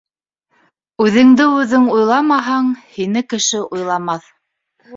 Үҙеңде-үҙең уйламаһаң, Һине кеше уйламаҫ.